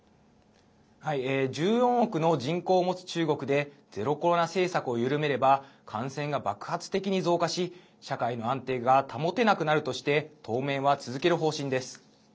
１４億の人口を持つ中国でゼロコロナ政策を緩めれば感染が爆発的に増加し社会の安定が保てなくなるとして当面は続ける方針です。